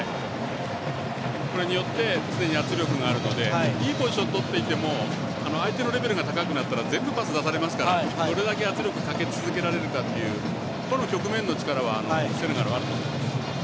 これによって常に圧力があるのでいいポジションをとっていても相手のレベルが高くなったら全部、パス出されますからどれだけ圧力をかけ続けられるかっていう個の局面はセネガル、あると思います。